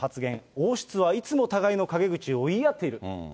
王室はいつも互いの陰口を言い合っている。